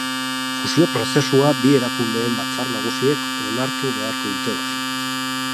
Fusio prozesua bi erakundeen batzar nagusiek onartu beharko dute orain.